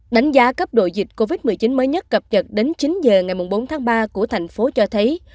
đánh giá cấp độ dịch covid một mươi chín mới nhất cập nhật đến chín h ngày bốn tháng ba của thành phố cho thấy